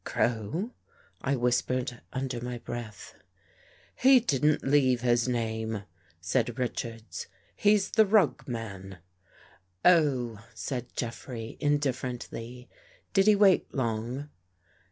"Crow?" I whispered under my breath. " He didn't leave his name," said Richards. " He's the rug man." " Oh," said Jeffrey, indifferently. " Did he wait long?